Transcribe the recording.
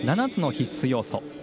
７つの必須要素